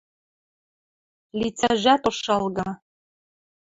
Лицӓжӓт ошалга.